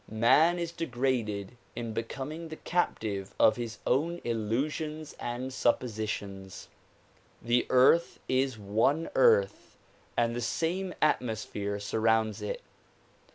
]Man is degraded in becoming the captive of his own illusions and suppositions. The earth is one earth and the same atmosphere surrounds it.